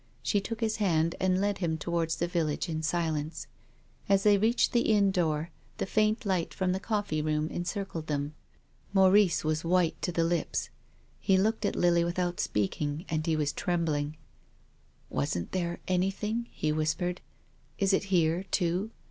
She took his hand and led him towards the village in silence. As they reached the inn door, the faint light from the coffee room encircled them. Maurice was white to the lips. He looked at Lily without speaking, and he was trembling. " Wasn't there anything ?" he whispered. " Is it here too ?